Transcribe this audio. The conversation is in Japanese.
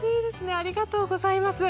ありがとうございます。